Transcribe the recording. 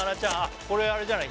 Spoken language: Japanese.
これあれじゃない？